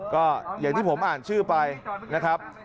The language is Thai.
ก็อย่างที่ผมอ่านชื่อไปนะครับ